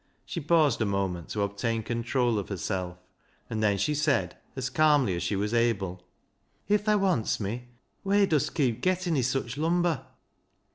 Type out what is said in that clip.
She paused a moment to obtain control of herself, and then she said as calmly as she was able —" If thaa wants me, whey dust keep gettin' i' sich lumber?